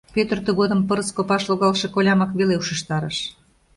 Пӧтыр тыгодым пырыс копаш логалше колямак веле ушештарыш.